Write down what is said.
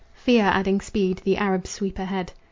Fear adding speed, the Arabs sweep ahead.